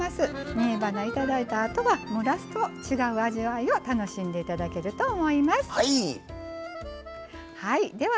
煮えばな、いただいたあとは蒸らすと違う味わいを楽しんでいただけると思います。